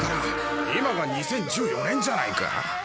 今が２０１４年じゃないか。